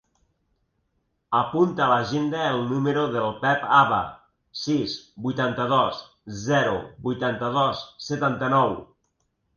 Apunta a l'agenda el número del Pep Haba: sis, vuitanta-dos, zero, vuitanta-dos, setanta-nou.